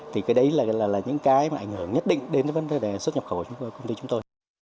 thì cái đấy là những cái mà ảnh hưởng nhất định đến cái vấn đề xuất nhập khẩu của công ty chúng tôi